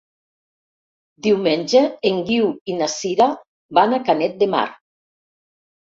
Diumenge en Guiu i na Sira van a Canet de Mar.